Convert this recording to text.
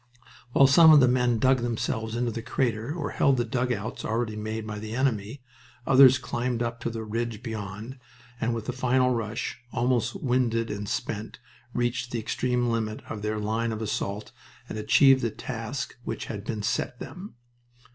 While some of the men dug themselves into the crater or held the dugouts already made by the enemy, others climbed up to the ridge beyond and with a final rush, almost winded and spent, reached the extreme limit of their line of assault and achieved the task which had been set them.